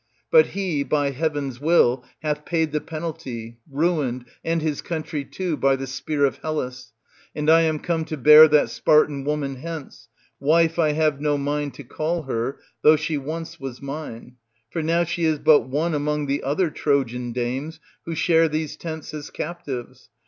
But he, by heaven's will, hath paid the penalty, ruined, and his country too, by the spear of Hellas. And I am come to bear that Spartan woman hence — wife I have no mind to call her, though she once was mine ; for now she is but one among the other Trojan dames who share these tents as captives.